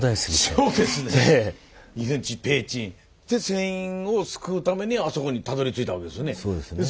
船員を救うためにあそこにたどりついたわけですよね。